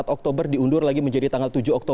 empat oktober diundur lagi menjadi tanggal dua puluh tujuh